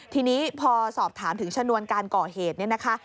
ทีนี้พอสอบถามถึงชนวนการก่อเหตุเนี่ยนะคะ